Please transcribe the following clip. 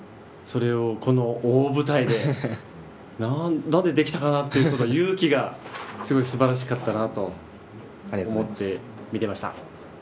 それを、この大舞台で何でできたかなって勇気がすごい素晴らしかったなと思って見ていました。